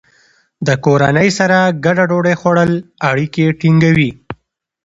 د کورنۍ سره ګډه ډوډۍ خوړل اړیکې ټینګوي.